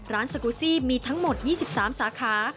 สกูซี่มีทั้งหมด๒๓สาขา